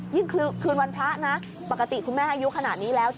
คืนวันพระนะปกติคุณแม่อายุขนาดนี้แล้ว